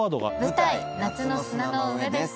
舞台『夏の砂の上』です。